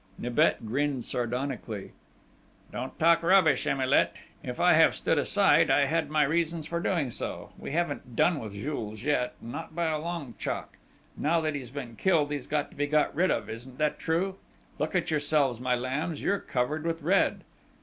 Nibet grinned sardonically. "Don't talk rubbish, Emilet!... If I have stood aside, I had my reasons for doing so.... We haven't done with Jules yet!... Not by a long chalk!... Now that he's been killed, he's got to be got rid of isn't that true?... Look at yourselves, my lambs! You are covered with red!...